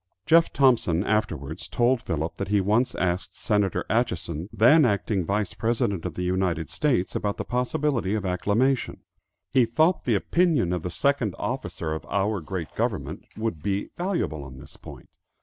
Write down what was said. Jeff Thompson afterwards told Philip that he once asked Senator Atchison, then acting Vice President of the United States, about the possibility of acclimation; he thought the opinion of the second officer of our great government would be valuable on this point.